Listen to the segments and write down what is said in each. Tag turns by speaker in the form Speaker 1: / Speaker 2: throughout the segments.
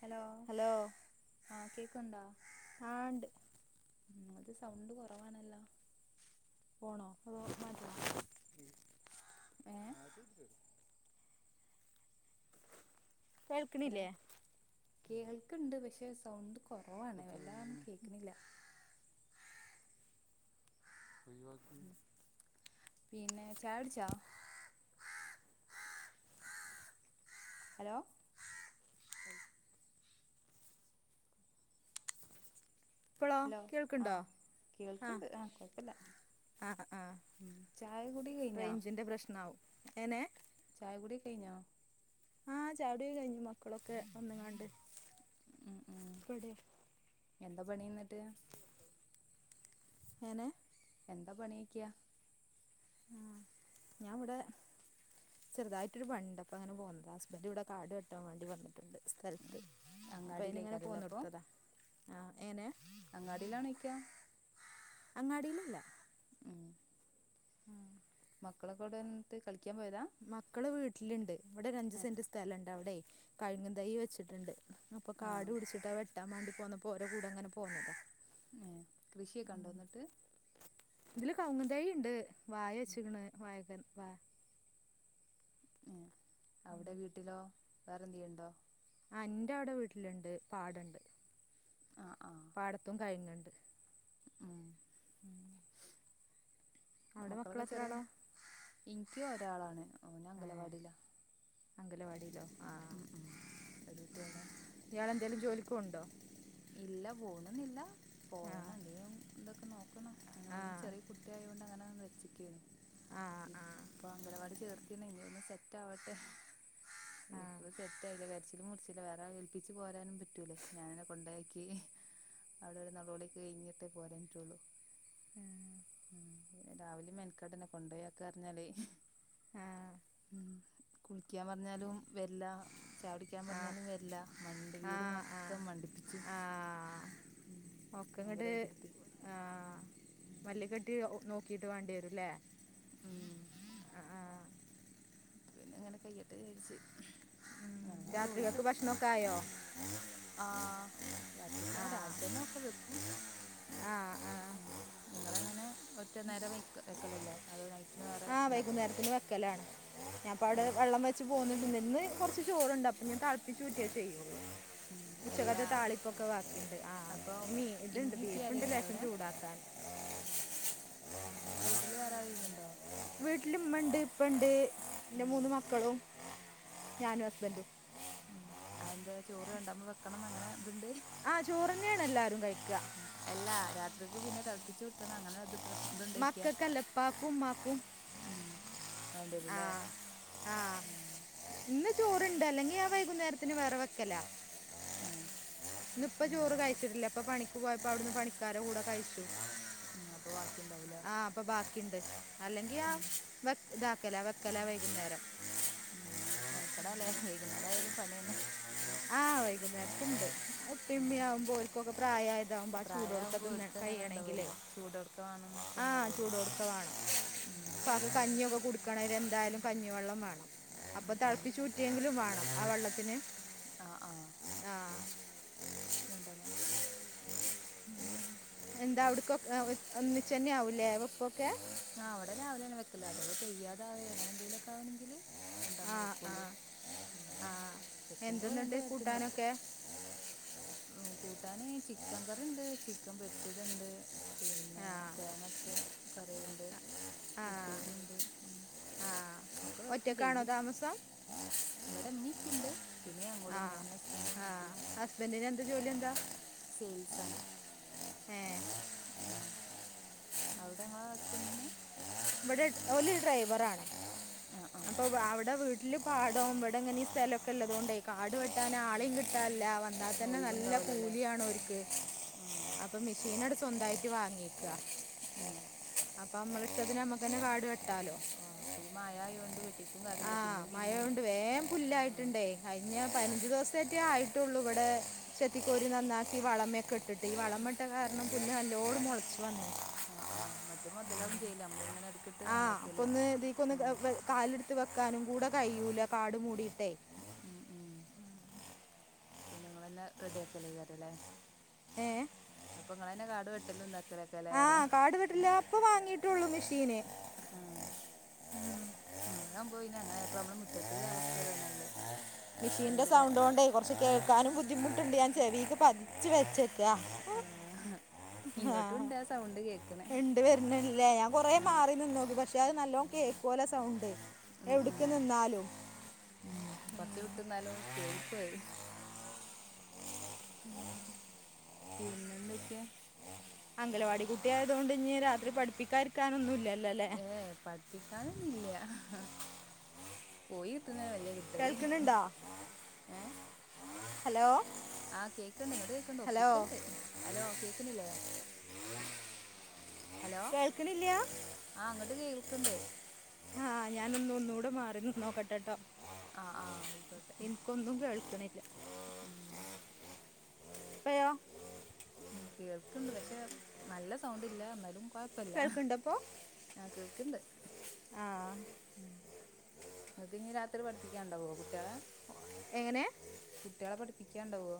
Speaker 1: Hello ആ കേക്ക്‌ണ്ടോ?
Speaker 2: ആണ്ട്
Speaker 1: ഉം അത് സൗണ്ട് കൊറവാണല്ലോ?
Speaker 2: പോണോ [unintelligible]
Speaker 1: ഏ
Speaker 2: [inaudible]
Speaker 1: ഹലോ കേ കേൾക്കുണ്ട് പക്ഷേ സൗണ്ട് കുറവാണ് വല്ലാ കേൾക്കന്നില്ല.
Speaker 2: [inaudible]
Speaker 1: ഉം. പിന്നെ ചായടിച്ചോ? അലോ?
Speaker 2: ഇപ്പോളാ കേൾക്ക്‌ണ്ടോ?
Speaker 1: കേൾക്ക്‌ണ്ട് ആ കൊഴപ്പല്ല.
Speaker 2: അ ആ
Speaker 1: കഴിഞ്ഞോ
Speaker 2: റേഞ്ചിന്റെ പ്രശ്ന ആവും ഏനെ
Speaker 1: ചായ കുടി കെയ്ഞൊ?
Speaker 2: ആ ചാടിക്കെഴിഞ്ഞു മക്കളൊക്കെ ഒന്ന്ങ്ങാണ്ട്
Speaker 1: ഉം ഉം.
Speaker 2: ബ്ടെ
Speaker 1: എന്താ പണിന്നട്ട്.
Speaker 2: എങനെ
Speaker 1: എന്താ പണിക്കിയ.
Speaker 2: ആ ഞാൻ വടെ ചെറുതായിട്ട് പണിണ്ട്‌ അപ്പോ അങ്ങനെ പോന്നത ഹസ്ബന്റ് ഇവടെ കാട് വെട്ടാൻ വേണ്ടി വന്നത്. ണ്ട് സ്ഥലത്ത് അപ്പൊ അയ്ൻ ഇങ്ങനെ
Speaker 1: അങ്ങാടിയിലേക്കാരല്ലേ
Speaker 2: പോന്നടുത്തതാ ആ എനെ
Speaker 1: അങ്ങാടിയിലാണോയ്ക്ക
Speaker 2: അങ്ങാടിയിലല്ല.
Speaker 1: ഉം
Speaker 2: ആഹ്
Speaker 1: മക്കളെക്കേടെന്നട്ട് കളിക്കാൻ പോയതാ.
Speaker 2: മക്കള് വീട്ടിലുണ്ട് ഇവിടൊരു
Speaker 1: ഏ
Speaker 2: അഞ്ചസെന്റ് സ്ഥലണ്ട്. അവടെയ് കഴുങ്ങും തൈ വെച്ചിട്ടുണ്ട്. അപ്പൊ
Speaker 1: ആ
Speaker 2: കാട് പിടിച്ചിട്ടാ വെട്ടാൻമാണ്ടി പോന്നപ്പോ ഓരോ കൂടെ അങ്ങനെ പോന്നതാ.
Speaker 1: ങേ കൃഷിയൊക്കെ
Speaker 2: ഉം
Speaker 1: ണ്ടോ ന്നട്ട്.
Speaker 2: ഇതില് കൗങ്ങ്ന്തായി ണ്ട് വായ
Speaker 1: ഉം.
Speaker 2: ച്ച്ക്കണ്. വായകൻ വ
Speaker 1: അവടെ വീട്ടിലോ വേറെന്തിയെണ്ടോ?
Speaker 2: ആ ന്റെ അവടെ വീട്ടില്ണ്ട് പാടണ്ട്.
Speaker 1: അ ആഹ്
Speaker 2: പാടത്തും കഴിങ്ങ്ണ്ട്.
Speaker 1: ആഹ്
Speaker 2: അവിടെ മക്കൾ
Speaker 1: മക്കളൊക്കെ
Speaker 2: എത്ര
Speaker 1: ചെറിയ
Speaker 2: ആളാ
Speaker 1: ഇന്ക്കും ഒരാളാണ് ഓന്
Speaker 2: ഏ
Speaker 1: അംഗലവാടില്ല.
Speaker 2: അംഗലവാടിയിലോ? ആ
Speaker 1: ഉം ഉം ഒരു കുട്ടിയൊള്ളേ.
Speaker 2: ഇയാളെന്തേലും ജോലിക്ഓണ്ടോ
Speaker 1: ഇല്ല പോണെന്നില്ല
Speaker 2: ആ
Speaker 1: പോണം എന്തേലും തൊക്കെ നോക്കണം അയ്ന്
Speaker 2: ആ
Speaker 1: ഓൻ ചെറി കു കുട്ടിആയൊണ്ട് അങ്ങനെ വച്ചിക്കേനു
Speaker 2: ആ
Speaker 1: ഇപ്പ
Speaker 2: ആ
Speaker 1: അംഗലവാടി ചേർത്തിണ് ഇനി ഒന്ന് സെറ്റ് ആവട്ടെ ഇപ്പഴും സെറ്റ് ആയില്ല കരിച്ചിലും മുറിച്ചില്ല വേറെ ആരേ ഏൽപ്പിച്ച് പോരാനും പറ്റൂലേ ഞാന കൊണ്ടാക്കി അവിടെ ഒരു നൊളോളി കഴിഞ്ഞിട്ടേ പോരാറ്റുള്ളു ഉം പിന്നെ രാവിലിം മേനക്കട്ന്നെ കൊണ്ടേയാക്കറ്ഞ്ഞാലെയ്
Speaker 2: ആ
Speaker 1: ഉം കുളിക്ക്യപറഞ്ഞാലും വെര്ല ച്ചായുടിക്കാ
Speaker 2: ആ ആ
Speaker 1: പറഞ്ഞാലും വര്ല്ല മണ്ടി
Speaker 2: ആ
Speaker 1: വീട് മൊത്തം മണ്ടിപ്പിച്ചും
Speaker 2: ഒക്കങ്ങട്
Speaker 1: വികൃതി ഉം
Speaker 2: മല്ലിക്കെട്ടി നോക്കിട്ട് വാണ്ടി വരുല്ലേ
Speaker 1: ഉം പിന്നങ്ങനെ കെയ്യട്ടേ വിചാരിച്ച്
Speaker 2: ഉം.
Speaker 1: ഞാനൊരു
Speaker 2: രാത്രികൾക്ക്
Speaker 1: കോയിസട്
Speaker 2: ഭക്ഷണമൊക്കെ ആയോ
Speaker 1: ആഹ് രാത്രിക്ക് ആ രാവിൽതന്നെ ഒക്കെ വെക്കും
Speaker 2: ആഹ് ആഹ്
Speaker 1: ഉം നിങ്ങളങ്ങനെ ഒറ്റ നേരം വെക്ക വെക്കലല്ലേ അതോ നൈറ്റിന് വേറെ
Speaker 2: ആ
Speaker 1: ഉണ്ടാക്കൽ
Speaker 2: വൈകുന്നേരത്തിന് വെക്കലാണ് ഞാപ്പ അവടെ
Speaker 1: ഏഹ്
Speaker 2: വള്ളം വെച്ച് പോന്ന്ട്ട്ണ്ട് ന്ന് കൊറച്ച് ചോറ്ണ്ട് അപ്പൊ ഞ് തളപ്പിച്ചൂറ്റ ചെയ്യ
Speaker 1: ഉം
Speaker 2: ഉച്ചകത
Speaker 1: എല്ലാ
Speaker 2: താളിപ്പൊക്കെ വാക്കിണ്ട് ആ
Speaker 1: അപ്പം
Speaker 2: മീ ഇത്ണ്ട്
Speaker 1: ഇമ്മി ഇപ്പി
Speaker 2: പീഫ്ണ്ട്
Speaker 1: ആരെങ്കിലും ഉണ്ടോ
Speaker 2: ലേഷം
Speaker 1: അവിടെ
Speaker 2: ചൂടാക്കാൻ ആ ആഹ
Speaker 1: വീട്ടില് വേറെ ആളിലുണ്ടോ
Speaker 2: വീട്ടില് ഇമ്മണ്ട് ഇപ്പണ്ട്
Speaker 1: ആ
Speaker 2: ഇന്റെ മൂന്ന് മക്കളും ഞാനു ഹസ്ബന്റും
Speaker 1: ഉം അതന്താ ചോറ് രണ്ടാമ വെക്കണംന്ന് അങ്ങനെ ഇത്ണ്ട്
Speaker 2: ആഹ് ചോറന്നേണ് എല്ലാരും കഴിക്ക
Speaker 1: അല്ല രാത്രിക്ക് പിന്നെ തളപ്പിച്ച് ഊറ്റണം അങ്ങന ഇത് പ്രശ് ഇത്ണ്ടൊയ്ക്ക
Speaker 2: മക്കൾക്കല്ല ഉപ്പാക്കും ഉമ്മാക്കും
Speaker 1: ഉം വാണ്ടി
Speaker 2: ആ
Speaker 1: വരുല്ലേ
Speaker 2: ആ
Speaker 1: ഉം
Speaker 2: ഇന്ന് ചോർണ്ട് അല്ലെങ്കി ആ വൈകുന്നേരത്തിന് വേറ വെക്കല
Speaker 1: ഏ
Speaker 2: ഇന്ന് ഇപ്പ
Speaker 1: ഉം
Speaker 2: ചോറ് കഴിച്ചിട്ട്ല്ല ഇപ്പൊ പണിക്ക് പോയപ്പ അവ്ട്ന്ന് പണിക്കാര കൂട കഴിച്ചു
Speaker 1: ഉം അപ്പൊ വാക്കി ഇണ്ടാവുംലേ
Speaker 2: ആ അപ്പ ബാക്കിണ്ട് അല്ലെങ്കി ആ വ ഇതാക്കല വക്കല വൈകുന്നേരം
Speaker 1: ഉം മെൻക്കടാല്ലേ വൈകുന്നേര ആയാലും പണി എന്നെ
Speaker 2: ആഹ് വൈകുന്നേരത്തുണ്ട് അത് ഇപ്പി
Speaker 1: ഉം
Speaker 2: ഇമ്മി ആവുമ്പോ ഓൽകൊക്കേ പ്രായായതാവുമ്പോ ആ
Speaker 1: പ്രായമാകുമ്പോ
Speaker 2: ചൂടൊട്ക്കേതിന്ന
Speaker 1: ഓര്ക്ക് അങ്ങനെ ഉണ്ടാവുമല്ലോ
Speaker 2: കയ്യണങ്കിലയ്
Speaker 1: ചൂടോട്ക്കെ വേണംന്നൊക്കെ
Speaker 2: ആഹ്
Speaker 1: ഉണ്ടാവുമല്ലോ
Speaker 2: ചൂടൊട്ക്ക വാണം
Speaker 1: ഉം
Speaker 2: ഇപ്പാക്ക്
Speaker 1: പിന്നെ
Speaker 2: കഞ്ഞിഒക്കെ കു ക്കണെൽ ന്തായാലും കഞ്ഞിവള്ളം വാണം അപ്പൊ
Speaker 1: ഉം ഉം
Speaker 2: തളപ്പിച്ചുറ്റിയെങ്കിലും വാണം ആ വള്ളത്തിന്
Speaker 1: ആ ആഹ്
Speaker 2: ആഹ്
Speaker 1: രണ്ടണ്ണം ക്കളിക
Speaker 2: എന്താ അവ്ട്ക്കൊ ഒന്നിച്ചന്നെ ആവൂലേ വെപ്പൊക്കെ
Speaker 1: ആ അവടെ രാവിലെനെ വെക്കല് അഥവാ തെയ്യാതാവേ അങ്ങനെ എന്തെലൊക്കെ ആ വാണെങ്കില്
Speaker 2: ആ
Speaker 1: രണ്ടാമ
Speaker 2: ആ
Speaker 1: വെക്കൊള്ളൂ ഉം
Speaker 2: ആ
Speaker 1: വെക്കുമ്പോ
Speaker 2: എന്തെന്നിട്ട്
Speaker 1: രണ്ടേര്ത്തിന് വെക്കും
Speaker 2: കൂട്ടാനൊക്കെ
Speaker 1: ഉം കൂട്ടാന് ചിക്കകറിണ്ട് ചിക്കം പൊരിച്ചത്ണ്ട് പിന്നെ
Speaker 2: ആ
Speaker 1: തേങ്ങ അടച്ച കറിയുണ്ട് ഉപ്പേരി ഇണ്ട്
Speaker 2: ഒറ്റ കാണോതാമസം
Speaker 1: ഇവടെ ഇമ്മി പിണ്ട് പിന്നെ ഞങ്ങളും ഞാനും ഹസ്ബന്റും കുട്ടിം
Speaker 2: ബന്റി നന്ത് ജോലി എന്താ
Speaker 1: സെയിൽസാണ്
Speaker 2: ഏഹ്
Speaker 1: [unintelligible] അവ്ടെ ഇങ്ങളെ ഹസ്ബന്റിന്.
Speaker 2: ഇവടെ എട് ഓല് ഡ്രൈവറാണ്.
Speaker 1: ആഹ്
Speaker 2: അപ്പൊ
Speaker 1: ആഹ്
Speaker 2: അവ്ടെ വീ. ല്ലും പാടോം ഇവട ഇങ്ങനെ ഈ സ്ഥലൊക്കെ ഇല്ലതുകൊണ്ടയ് കാട് വെട്ടാന് ആളിം കിട്ടാല്ല ന്നാ തന്നെ നല്ല
Speaker 1: ഒഴിവുണ്ടാവൂലല്ലേ
Speaker 2: കൂലിയാണോൽക്ക്.
Speaker 1: ആഹ്
Speaker 2: അ ഇപ്പം മിഷീനാണ്ട് സ്വന്തായിട്ട് വാങ്ങിയേക്ക.
Speaker 1: [unintelligible]
Speaker 2: അപ്പ അമ്മള ഇഷ്ടത്തിന് നമ്മക്ക് തന്നെ കാട് വെട്ടാലോ.
Speaker 1: ആഹ് ഇപ്പ ഈ മയ ആയോണ്ട് വെട്ടിട്ടും
Speaker 2: ആ
Speaker 1: കാര്യല്ല പിന്നിം
Speaker 2: മഴ
Speaker 1: പിന്നിം
Speaker 2: കൊണ്ട് വേഗം
Speaker 1: ആഹ്
Speaker 2: പുല്ലായിട്ടുണ്ടേ കഴിഞ്ഞ പതിനഞ്ച് ദിവസേറ്റേ ആയിട്ടുള്ളൂ ഇവിടെ ചെത്തിക്കോരി നന്നാക്കി വളമൊ ക്കെട്ടിട്ട്, ഈ വളമട്ട കാരണം പുല്ല് നല്ലോണം മൊളച്ചു വന്ന്ന്
Speaker 1: ആഹ് ആഹ്, മറ്റെ മൊതലാവും ചെയ്ല അമ്മള്ങ്ങനെട്ക്ക്ട്ക്ക് നന്നാക്കല്. ആഹ്
Speaker 2: കാല്ട്ത്ത് വെക്കാനും കൂടെ കഴിയ്യൂല കാട് മൂടീട്ടെ.
Speaker 1: ഉം ഉം പിന്നെങ്ങളെന്നെ റെഡിയാക്കലയ്ക്കാരല്ലേ.
Speaker 2: ഏഹ്
Speaker 1: അപ്പൊങ്ങളെന്നെ കാട് വെട്ടലും ത- കലെ കെലേ
Speaker 2: ആ
Speaker 1: റിയ
Speaker 2: കാട്
Speaker 1: അ...
Speaker 2: വെട്ടില്ല അപ്പൊ വാങ്ങിയിട്ടുള്ളൂ മെഷീന്
Speaker 1: ആഹ് മയാവ്മ്പൊ പിന്നങ്ങനെ ഇപ്പമ്മളെ മുറ്റത്ത്ത അവസ്ഥ ഇതന്നല്ലേ.
Speaker 2: മിഷീന്റെ സൗണ്ടോണ്ടെയ് കൊർച്ച് കേക്കാനും ബുദ്ധിമുട്ട്ണ്ട്. ഞാൻ ചെവീക്ക് പതിച്ച് വെച്ച്
Speaker 1: ആഹ് ഹ് ഇങ്ങോട്ടുംണ്ട് ആ സൗണ്ട് കേക്ക്-
Speaker 2: ഇണ്ട് വരുണ്ല്ലേ, ഞാൻ കൊറേ മാറി നിന്നോക്കി പക്ഷെ അത് നല്ലോം കേക്കോല സൗണ്ട്.
Speaker 1: ഉം ഉം
Speaker 2: എവ്ട്ക്ക് നിന്നാലും.
Speaker 1: ഉം, കൊർച്ച് വിട്ട്ന്നാലും കേൾക്കു അത്
Speaker 2: [inaudible]
Speaker 1: പിന്നെന്തൊക്ക?
Speaker 2: അംഗലവാടിക്കുട്ടിയായതോണ്ട്ഞ്ഞി രാത്രി പഠിപ്പിക്കാര്ക്കാനൊന്നൂല്ല.
Speaker 1: ഏ ഏഹ് പഠിപ്പിക്കാനൊന്നുല്ല്യ. പോയി കിട്ട്ണേനെ വല്ല്യ കി
Speaker 2: കേൾക്ക്ണ്‌ണ്ടോ? ഹലോ!
Speaker 1: ആഹ്, കേക്ക്ണ്ട് ഇങ്ങട്ട് കേക്ക്ണ്ട്
Speaker 2: ഹലോ
Speaker 1: ഒപ്പിക്ക്ണ്ട്, ഹലോ കേക്ക്ന്നില്ലേ? ഹലോ!
Speaker 2: കേൾക്കണില്ല
Speaker 1: ആഹ് ഇങ്ങട്ട് കേൾക്ക്ണ്ട്.
Speaker 2: ആഹ്, ഞാനൊന്ന് ഒന്നൂടെ മാറി നിന്നോക്കട്ടെട്ടോ.
Speaker 1: ആ ആ ആയിക്കോട്ടെ
Speaker 2: ഇൻക്കൊന്നും കേൾക്ക്ണില്ല.
Speaker 1: ഉം
Speaker 2: പ്പയോ?
Speaker 1: ആഹ്, കേൾക്ക്ണ്ട് പക്ഷെ നല്ല സൗണ്ട്ല്ല. ഇന്നാലും കൊയ്പ്പല്ല,
Speaker 2: കേൾക്കുന്നുണ്ടപ്പോൾ
Speaker 1: ആഹ് കേൾക്ക്ണ്ട്.
Speaker 2: ആ
Speaker 1: ഉം, ഇങ്ങക്ക്ഞ്ഞ് രാത്രി പഠിപ്പിക്കാണ്ടാവോ കുട്ട്യാളെ?
Speaker 2: എങ്ങനെ?
Speaker 1: കുട്ട്യാളെ പഠിപ്പിക്കാണ്ടാവോ?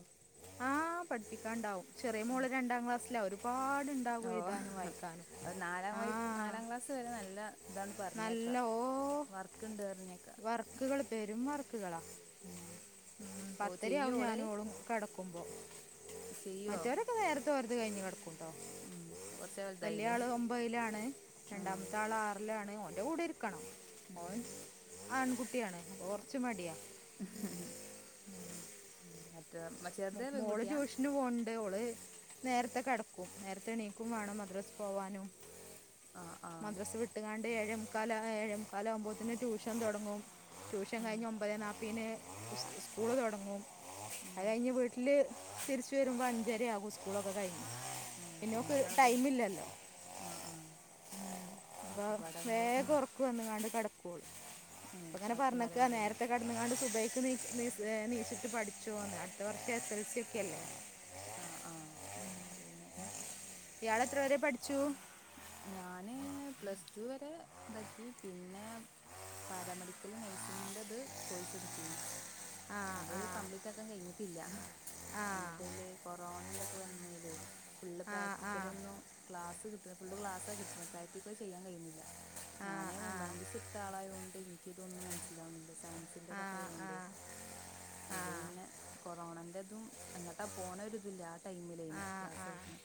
Speaker 2: ആഹ്, പഠിപ്പിക്കാണ്ടാവും. ചെറ്യേ മോള് രണ്ടാം ക്ലാസ്സില. ഒരുപാട് ഉണ്ടാകും
Speaker 1: ഓഹ്,
Speaker 2: എഴുതാനും വായിക്കാനും
Speaker 1: അത് നാലാം
Speaker 2: ആ
Speaker 1: വയ് നാലാം ക്ലാസ്സ് വരെ നല്ല ഇതാണ് പർഞ്ഞേക്ക,
Speaker 2: നല്ല
Speaker 1: വർക്ക്ണ്ട് പർഞ്ഞേക്ക.
Speaker 2: ക്ക്കള് പെരും വർക്ക്കളാ.
Speaker 1: ഉം
Speaker 2: ഉം,
Speaker 1: ഓ ചെയ്യോ
Speaker 2: പത്തരയാവും
Speaker 1: ഓള്
Speaker 2: ഞാനും ഓളും കെടക്കുമ്പോ.
Speaker 1: ചെയ്യോ
Speaker 2: മറ്റോര് ഒക്കെ നേരത്തെ ഓര്ത് കയ്ഞ് കെടക്കും. ട്ടൊ,
Speaker 1: ഉം കൊറച്ച് വലുതായില്ലേ
Speaker 2: വല്ല്യാള് ഒമ്പതിലാണ്.
Speaker 1: ആഹ്
Speaker 2: രണ്ടാമത്താള് ആ- റിലാണ്. ഓന്റെ കൂടെ ഇര്ക്കണം
Speaker 1: ഉം
Speaker 2: ഓൻ ആൺകുട്ടിയാണ്. അപ്പ കൊർച്ച് മടിയാ
Speaker 1: ഉം, മറ്റെ മ-
Speaker 2: മൊ മോള് ട്യൂഷ- ന് പോൻണ്ട്. ഓള് നേരത്തെ കെടക്കും, നേരത്തെണീക്കും വേണം മദ്രസ്ക്കോവാനും.
Speaker 1: ആഹ് ആഹ്
Speaker 2: മദ്രസ് വിട്ട്കാണ്ട് ഏഴേമുക്കാല് ആഹ് ഏഴേമുക്കാലാവുമ്പോത്ത്ന് ട്യൂഷൻ തൊടങ്ങും ട്യൂഷൻ
Speaker 1: ഉം
Speaker 2: കയ്ഞ് ഒമ്പതേ നാപ്പീന് ഉസ് ഉസ് സ്കൂള് തൊടങ്ങും.
Speaker 1: ഉം
Speaker 2: അത് കയ്ഞ്ഞ് വീട്ടില് തിരിച്ച് വരുമ്പൊ അഞ്ചരയാവും സ് സ്കൂളൊക്കെ കഴിഞ്ഞ്
Speaker 1: ഉം
Speaker 2: പിന്നോക്ക്
Speaker 1: പിന്നെള്ളോടെ
Speaker 2: ടൈമില്ലല്ലോ
Speaker 1: ആഹ് ആഹ്
Speaker 2: ഉം അപ്പൊ
Speaker 1: ഒക്കെപ്പാടാവുമ്പോ
Speaker 2: വേഗൊർക്ക് വന്ന്ക്കാണ്ട് കെടക്കോള്
Speaker 1: ഏഹ്
Speaker 2: ഇപ്പങ്ങനെ
Speaker 1: വർക്കും
Speaker 2: പറഞ്ഞ്ക്ക
Speaker 1: കാര്യങ്ങളൊക്കെ കഴിഞ്ഞ്
Speaker 2: നേരത്തെ കെടന്ന്കാണ്ട് സുബൈയ്ക്ക് നീ നീസ് ഏനീച്ച്ട്ട് പഠ്ച്ചോന്ന് അട്ത്ത വർഷം എസ് എൽ സി ഒക്കെ അല്ലേ
Speaker 1: ആഹ് ആഹ് പിന്നെ
Speaker 2: ഇയാളെത്ര വരെ പഠ്ച്ചു
Speaker 1: ഞാന് പ്ലസ് ടു വരെതാക്കി പിന്നെ പാരാമെഡിക്കൽ നഴ്സിംഗിന്റെത് കോഴ്സ്ട്ത്തീനു
Speaker 2: ആ
Speaker 1: അത്
Speaker 2: ആ
Speaker 1: കംപ്ലീറ്റ് ആക്കാൻ കഴിഞ്ഞിട്ടില്ല
Speaker 2: ആ
Speaker 1: അതിന്റെ ഇടേല് കൊറോണ ഇന്തൊക്കെ വന്നില്ലേ ഫുള്
Speaker 2: ആ ആ ആ
Speaker 1: പ്രാക്ടിക്കല ഒന്നും ക്ലാസ് കിട്ടണ ഫുള് ക്ലാസ്സ കിട്ടണ് പ്രാക്ടിക്കല് ചെയ്യാൻ കഴിയുന്നില്ല
Speaker 2: ആ
Speaker 1: ഞാൻ ഹ്യുമാന്റിസ് എടുത്ത ആളായതോണ്ട് എനിക്ക് ഇതൊന്നും മനസ്സിലാവണില്ല സയൻസിന്റെതൊക്കെ
Speaker 2: ആ
Speaker 1: ആയതോണ്ട് എല്
Speaker 2: ആ ആ
Speaker 1: പിന്നെ കൊറോണന്റെ ഇതും എങ്ങോട്ടാ പോണ ഒ ഒരു ഇതില്ല ആഹ്
Speaker 2: ആ
Speaker 1: ടൈമിലേനി ക്ലാസ്സ്
Speaker 2: ആ
Speaker 1: വിട്ന്ന്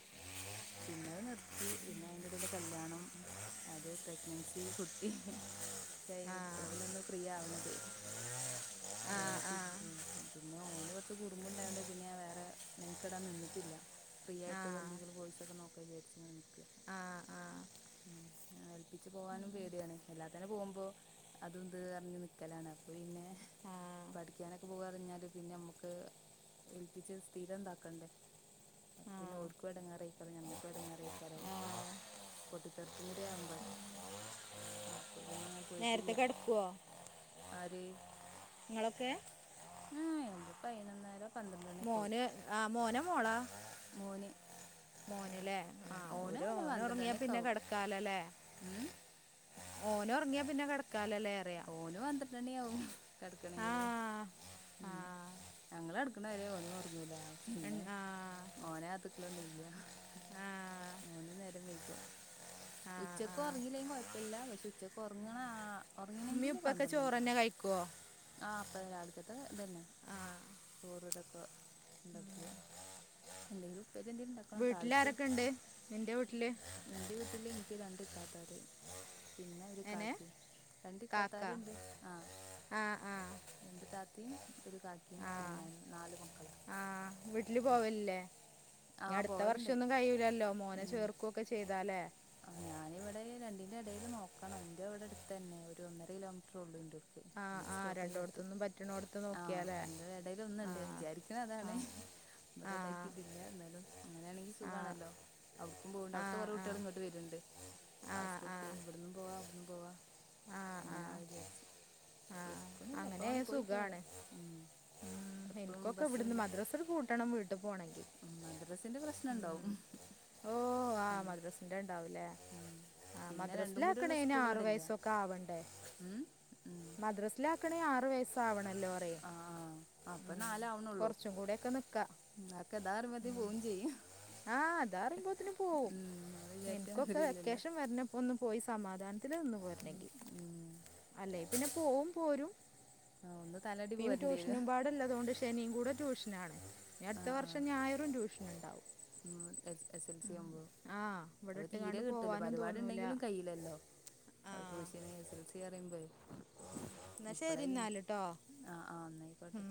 Speaker 1: പിന്നെ അത് നിർത്തി പിന്നെ അതിന്റെ ഇടൽ കല്യാണം അത് പ്രഗ്നൻസി കു പി ക
Speaker 2: ആ
Speaker 1: ഇപ്പള പിനൊന്ന് ഫ്രീയാവ്ണത്
Speaker 2: ആ
Speaker 1: ഒയിവ്
Speaker 2: ആ ആ
Speaker 1: [unintelligible] പിന്നെ ഓൻ കുറച്ച് കുറുമ്പ്ണ്ടായോണ്ട് പിന്നെ ഞാവേറെ മെനക്കെടാൻ നിന്നിട്ടില്ല ഫ്രീ
Speaker 2: ആ
Speaker 1: ആയിട്ട് എന്തെങ്കിലും കോയിസൊക്കെ നോക്കാ വിചാരിച്ചിങ്ങനെ നിൽക്ക
Speaker 2: ആ ആ
Speaker 1: ഉം ഏൽപ്പിച്ച് പോകാനും പേടിയാണ് എല്ലാത്തനെ പോകുമ്പോ അതും ഇതും പറിഞ്ഞ് നിക്കലാണ് അപ്പൊ പിന്നെ
Speaker 2: ആ
Speaker 1: പഠിക്കാനൊക്കെ പോക പറിഞ്ഞാല് പിന്നെ നമ്മുക്ക് ഏൽപ്പിച്ച് സ്ഥിരം ഇതാക്കണ്ടേ പിന്നെ ഓർക്കും ഇടങ്ങാറിയിക്കാലോ ഞമ്മുക്കും ഇടങ്ങാറിയിക്കാലോ
Speaker 2: ആ
Speaker 1: പൊട്ടിത്തെറുപ്പും കൂടി ആകുമ്പഴെ ആഹ് അപ്പൊ പിന്നെ ഞാൻ
Speaker 2: നേരത്തെ
Speaker 1: പോയിട്ടില്ല
Speaker 2: കിടക്കുവോ
Speaker 1: ആര്
Speaker 2: നിങ്ങളൊക്കെ
Speaker 1: ആഹ് എ്മളപ്പോ അതിനൊന്നേരം
Speaker 2: മോന് ആഹ് മോനാ മോളാ
Speaker 1: മോന്
Speaker 2: മോനിലേ
Speaker 1: ഉം
Speaker 2: ആഹ്
Speaker 1: ഓനും
Speaker 2: ഒരു
Speaker 1: അങ്ങനെ
Speaker 2: ഓന്
Speaker 1: പന്ത്രണ്ട്
Speaker 2: ഉറങ്ങിയാ
Speaker 1: മണിയൊക്കെ
Speaker 2: പിന്നെ
Speaker 1: ആവും
Speaker 2: കിടക്കാലോല്ലേ
Speaker 1: ഉം
Speaker 2: മോന് ഉറങ്ങിയാ പിന്നെ കിടക്കാലല്ലേ അറിയാ
Speaker 1: ഓനും പന്ത്രട്ടണ്ണി ആവും
Speaker 2: ആ
Speaker 1: കിടക്കണെങ്കില്
Speaker 2: ആ
Speaker 1: ഉം ഞങ്ങള് കിടക്കണവരെ ഓനും ഉറങ്ങൂല
Speaker 2: ഉം,
Speaker 1: പിന്നെ
Speaker 2: ആ
Speaker 1: ഓനകത്ത് ലൊന്നും ഇല്ല
Speaker 2: ആ
Speaker 1: ഓനും നേരം വേക്കും
Speaker 2: ആ ആ
Speaker 1: ഉച്ചക്ക് ഉറങ്ങില്ലേങ്കിലും കുഴപ്പല്ല പക്ഷെ ഉച്ചക്ക് ഉറങ്ങണാ
Speaker 2: ഉമ്മി
Speaker 1: ഉറങ്ങണെങ്കില്
Speaker 2: ഉപ്പൊക്കെ ചോറ്
Speaker 1: പന്ത്രണ്ട്മണ്യാവും
Speaker 2: തന്നെ കഴിക്കുവോ
Speaker 1: ആഹ് അപ്പ രാവിലക്ത്തൊക്കെ ഇതന്നെ
Speaker 2: ആ
Speaker 1: ചോറ ഇതൊക്കെ ഇണ്ടാക്കിയത് എന്തേലും ഉപ്പേരി എന്തങ്കലുംണ്ടാക്കും
Speaker 2: വീട്ടില് ആരൊക്കെണ്ട് നിന്റെ വീട്ടില്
Speaker 1: ഇന്റെ വീട്ടില് എനിക്ക് രണ്ട്ത്താത്തമാര് പിന്നെ ഒരു
Speaker 2: എനെ
Speaker 1: കാക്കയും രണ്ട് ഇത്തത്താരുണ്ട് ആഹ്
Speaker 2: ആഹ് ആഹ്
Speaker 1: രണ്ട് താത്തിയും ഒരു കാക്കിയും പിന്നെ ഞാനും നാല് മക്കളാണ്
Speaker 2: ആഹ് വീട്ടില് പോവല്ലേ ഇനി
Speaker 1: ആഹ്
Speaker 2: അടുത്ത
Speaker 1: പോവല്ണ്ട്
Speaker 2: വർഷൊന്നും കഴിയൂലല്ലോ മോനേ
Speaker 1: ഉം
Speaker 2: ചേർ കൊക്കെ ചെയ്താലേ
Speaker 1: ഞാനിവിടെ രണ്ടിന്റെ ഇടയിൽ നോക്കണം ഇന്റെ ഇവിടെ അടുത്ത് തന്നെ ഒരു ഒന്നര കിലോമീറ്റർ ഉള്ളു ഇന്റോടിക്ക്
Speaker 2: ആ
Speaker 1: രണ്ട്
Speaker 2: ആ
Speaker 1: സ്റ്റോപ്പ് കഴിഞ്ഞ എത്തും
Speaker 2: രണ്ടിടത്തുനിന്നും പറ്റണോടത്ത്
Speaker 1: ആഹ്
Speaker 2: നോക്കിയാലേ
Speaker 1: രണ്ടിന്റെ ഇടൽ ഒന്ന്
Speaker 2: ആ
Speaker 1: ഇണ്ട് വിചാരിക്കണ്
Speaker 2: ആ
Speaker 1: അതാണ്
Speaker 2: ആ
Speaker 1: ഇവിടെതാക്കിയിട്ടില്ല എന്നാലും അങ്ങനെയാണെങ്കി
Speaker 2: ആ ആ
Speaker 1: സുഖാണല്ലോ അവിടുക്കും പോകണ്ട്
Speaker 2: ആ
Speaker 1: അവിത്തെ കുറെ
Speaker 2: ആ
Speaker 1: കുട്ടികളെ കിട്ടും വരുണ്ട്
Speaker 2: ആ
Speaker 1: ആഹ് സ്കൂൾക്ക്
Speaker 2: ആ
Speaker 1: ഇവിടന്നും പോവാ അവിടന്നും പോവാ
Speaker 2: ആ
Speaker 1: അങ്ങനെ ആഹ് വിചരിച്ച്
Speaker 2: ആ
Speaker 1: റിസ്കൊന്നുംല്ല എപ്പ
Speaker 2: അങ്ങനെ
Speaker 1: വേണെ പോയി പോര
Speaker 2: സുഖമാണ്
Speaker 1: ഉം എപ്പഴും
Speaker 2: എനിക്കൊക്കെ ഇവിടുന്ന്
Speaker 1: ബസ്ണ്ട്
Speaker 2: മദ്രസ കൂട്ടണം വീട്ടിൽ പോകണമെങ്കിൽ
Speaker 1: എ മദ്രാസിന്റെ പ്രശ്നണ്ടാവും
Speaker 2: ഉം. ഓ ആഹ് മദ്രാസിന്റെ ഉണ്ടാവൂലേ
Speaker 1: ഉം
Speaker 2: ആഹ്
Speaker 1: പിന്നെ രണ്ടും
Speaker 2: മദ്രാസെല്
Speaker 1: കൂടിയുള്ള
Speaker 2: ആക്കാന്
Speaker 1: സ്കൂൾ
Speaker 2: ആറു
Speaker 1: ഇവിടെല്ല
Speaker 2: വയസ്സൊക്കെ ആവണ്ടേ
Speaker 1: ഉം ഉം
Speaker 2: മദ്രസില് ആക്കണെ ആറ് വയസ്സാവണ്ടെ ല്ലോ
Speaker 1: ആ ആ അപ്പൊ
Speaker 2: ഉം
Speaker 1: നാലാവണള്ളൂ
Speaker 2: കൊറച്ചും കൂടെ ഒക്കെ നിക്കാ
Speaker 1: അതൊക്കെ ദ പറയുമ്പേക്കും പോവുചെയ്യും
Speaker 2: ആഹ് അതാറിയുമ്പോത്തിന് പോവും
Speaker 1: നമ്മള് വിചാരിച്ച
Speaker 2: എനിക്കൊക്കെ
Speaker 1: മാതിരി ഇല്ലല്ലോ
Speaker 2: വെക്കേഷൻ വര ഒന്നു പോയി സമാധാനത്തിൽ നിന്നു
Speaker 1: ഉം ഉം
Speaker 2: അല്ലെ പിന്നെ പോവും പോരും
Speaker 1: ആ ഒന്ന് തലയാട്ടി
Speaker 2: ഇ
Speaker 1: പോരേണ്ടി വരും
Speaker 2: ട്യൂഷനും പാടെല്ല ഇളളതുകൊണ്ട് ശനിയും കൂടെ ട്യൂഷനാണ് ഇനി
Speaker 1: ആ
Speaker 2: അടുത്ത
Speaker 1: ആ
Speaker 2: വർഷം ഞായരും ട്യൂഷൻ ഉണ്ടാവും
Speaker 1: ഉം എസ് എസൽസി ആഹ് ഉമ്പോ
Speaker 2: ആ ഇവിടെ
Speaker 1: അവ തീരെ
Speaker 2: ഇട്ടുകാണ്ട്
Speaker 1: ക്ട്ട്ല്ലോ
Speaker 2: പോവാനും തോന്നൂല
Speaker 1: പര്പാടിണ്ടെങ്കിലും കയ്യില്ലല്ലോ
Speaker 2: ആ
Speaker 1: അപോശന്സ്‌ എൽ സി അറിമ്പോയ്
Speaker 2: എന്നാ ശരി
Speaker 1: ഇപ്പളെപിന്നിം
Speaker 2: എന്നാല് കേട്ടോ
Speaker 1: ആഹ് ആഹ് നായിക്കോട്ടെ
Speaker 2: ഉം.